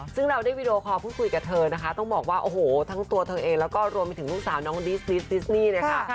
ซึ่งเราได้วีดีโอคอลพูดคุยกับเธอนะคะต้องบอกว่าโอ้โหทั้งตัวเธอเองแล้วก็รวมไปถึงลูกสาวน้องดิสลิสซิสนี่เนี่ยค่ะ